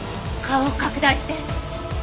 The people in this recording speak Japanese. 顔を拡大して。